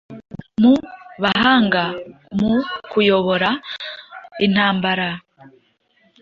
mu bahanga mu kuyobora intambara